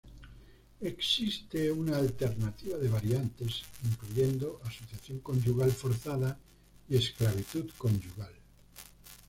Existe una alternativa de variantes, incluyendo asociación conyugal forzada y esclavitud conyugal.